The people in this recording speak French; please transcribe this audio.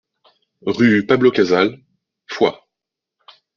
Rue Pablo Casals, Foix